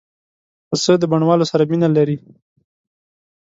پسه د بڼوالو سره مینه لري.